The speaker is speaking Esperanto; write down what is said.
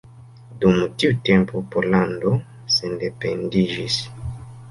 Dum tiu tempo Pollando sendependiĝis.